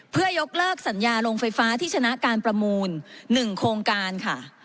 เพื่อยกเลิกสัญญาโรงไฟฟ้าที่ชนะการประมูล๑โครงการค่ะ